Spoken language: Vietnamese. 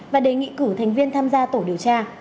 và đề nghị cử thành viên tham gia tổ điều tra